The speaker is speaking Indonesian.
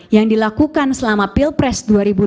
yang dilakukan selama pilpres